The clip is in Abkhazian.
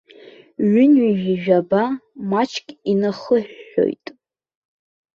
Ҩынҩажәижәаба маҷк инахыҳәҳәоит.